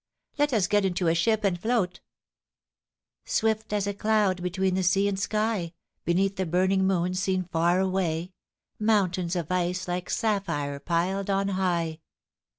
Let us get into a ship and float, < t< Swift as a cloud between the sea and sky, Beneath the burning moon seen far away, Mountains of ice like sapphire piled on high."